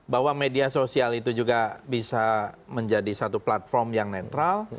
bahwa media sosial itu juga bisa menjadi satu platform yang netral